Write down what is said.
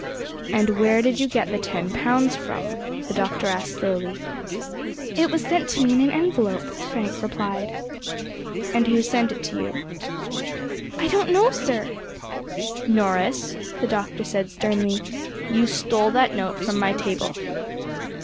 "And where did you get the ten pounds from?" the Doctor asked slowly. "It was sent to me in an envelope," Frank replied. "And who sent it to you?" "I don't know, sir." "Norris," the Doctor said sternly, "you stole that note from my table."